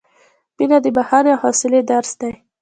• مینه د بښنې او حوصلې درس دی.